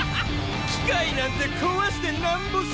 機械なんて壊してなんぼっショ。